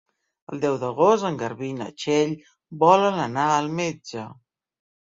El deu d'agost en Garbí i na Txell volen anar al metge.